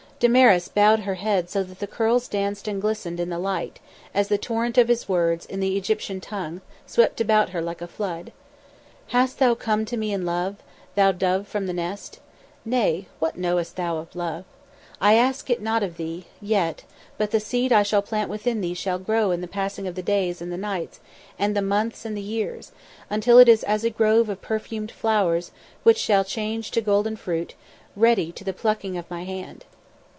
Damaris bowed her head so that the curls danced and glistened in the light, as the torrent of his words, in the Egyptian tongue, swept about her like a flood. "Hast thou come to me in love, thou dove from the nest? Nay, what knowest thou of love? I ask it not of thee yet but the seed I shall plant within thee shall grow in the passing of the days and the nights and the months and the years, until it is as a grove of perfumed flowers which shall change to golden fruit ready to the plucking of my hand."